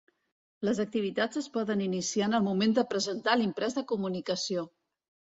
Les activitats es poden iniciar en el moment de presentar l'imprès de comunicació.